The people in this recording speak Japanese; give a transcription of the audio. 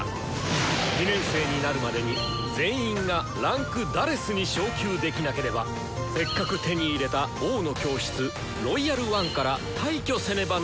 ２年生になるまでに全員が位階「４」に昇級できなければせっかく手に入れた「王の教室」「ロイヤル・ワン」から退去せねばならぬのだ！